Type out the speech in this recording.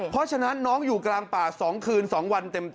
เพราะฉะนั้นน้องอยู่กลางป่า๒คืน๒วันเต็ม